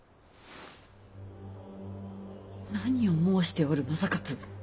何を申しておる正勝！